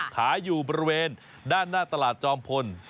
ขายอยู่บริเวณด้านหน้าตลาดจอมพล